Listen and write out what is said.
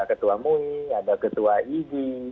ketua mui ada ketua iji